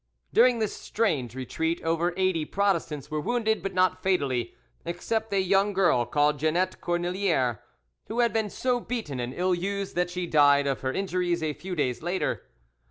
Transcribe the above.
During this strange retreat over eighty Protestants were wounded, but not fatally, except a young girl called Jeannette Cornilliere, who had been so beaten and ill used that she died of her injuries a few days later.